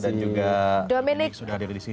dan juga dominic sudah ada di sini